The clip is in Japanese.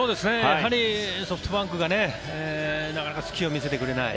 ソフトバンクがなかなか隙を見せてくれない。